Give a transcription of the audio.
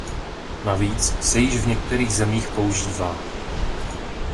Navíc se již v některých zemích používá.